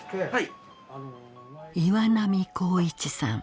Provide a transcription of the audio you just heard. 岩波光一さん。